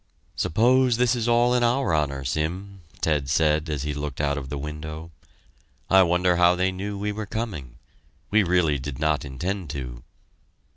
"Suppose this is all in our honor, Sim," Ted said as he looked out of the window. "I wonder how they knew we were coming we really did not intend to."